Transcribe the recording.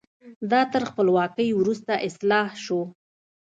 دا تر خپلواکۍ وروسته اصلاح شو.